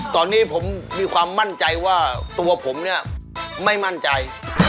ตอนนี้ผมมีความมั่นใจว่าตัวผมเนี่ยไม่มั่นใจ